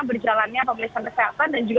berjalannya pemeriksaan kesehatan dan juga